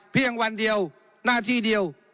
เพียงวันเดียวหน้าที่เดียว